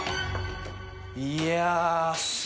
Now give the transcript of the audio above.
いや。